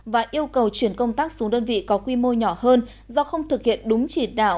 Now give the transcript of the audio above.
và yêu cầu chuyển công tác xuống đơn vị có quy mô nhỏ hơn do không thực hiện đúng chỉ đạo